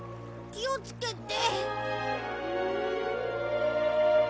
気をつけて！